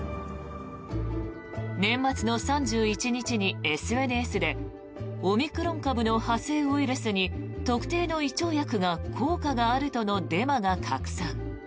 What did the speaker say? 年末の３１日にＳＮＳでオミクロン株の派生ウイルスに特定の胃腸薬が効果があるとのデマが拡散。